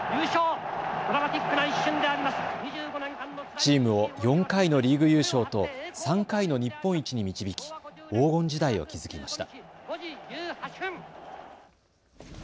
チームを４回のリーグ優勝と３回の日本一に導き黄金時代を築きました。